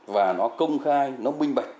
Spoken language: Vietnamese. và nó công khai nó bình bạch